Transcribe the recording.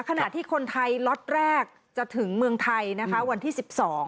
ขณะที่คนไทยล็อตแรกจะถึงเมืองไทยนะคะวันที่๑๒